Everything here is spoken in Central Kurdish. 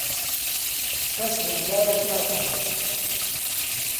کەس ڕزگارت ناکات.